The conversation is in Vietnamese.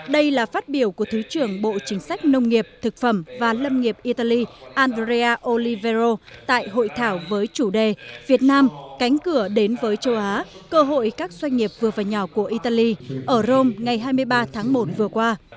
đây là phát biểu của thứ trưởng bộ chính sách nông nghiệp thực phẩm và lâm nghiệp italy andrea olivero tại hội thảo với chủ đề việt nam cánh cửa đến với châu á cơ hội các doanh nghiệp vừa và nhỏ của italy ở rome ngày hai mươi ba tháng một vừa qua